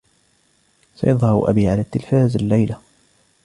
سيظهر أبي على التلفاز الليلة.